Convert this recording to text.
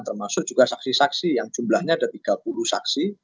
termasuk juga saksi saksi yang jumlahnya ada tiga puluh saksi